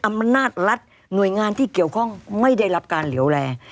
อำนาจรัฐหน่วยงานที่เกี่ยวข้องไม่ได้รับการเหลวแล